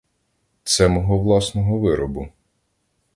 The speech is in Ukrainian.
Це мого власного виробу.